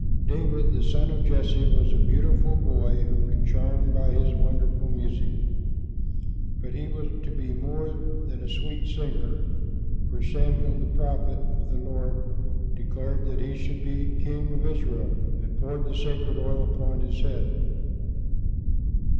David, the son of Jesse, was a beautiful boy, who could charm by his wonderful music. But he was to be more than a "sweet singer," for Samuel, the prophet of the Lord, declared that he should be King of Israel, and poured the sacred oil upon his head.